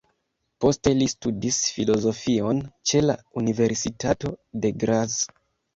Poste li studis filozofion ĉe la Universitato de Graz.